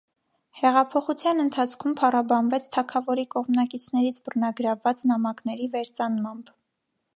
Հեղափոխության ընթացքում փառաբանվեց թագավորի կողմնակիցներից բռնագրավված նամակների վերծանմամբ։